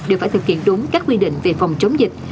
đều phải thực hiện đúng các quy định về phòng chống dịch